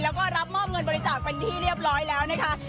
แล้วก็รับมอบเงินบริจาคเป็นที่เรียบร้อยแล้วนะคะ